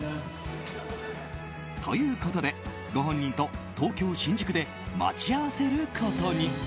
ということでご本人と東京・新宿で待ち合わせることに。